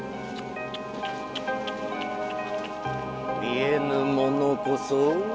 見えぬものこそ。